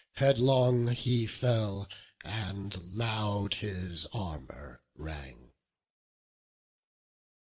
Headlong he fell, and loud his armour rang.